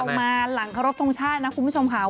สัปดาห์หน้าเรามาหลังครบตรงชาตินะคุณผู้ชมขาว